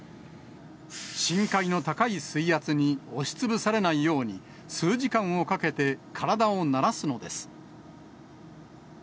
深海の高い水圧に押しつぶされないように、数時間をかけて体を慣らすのです。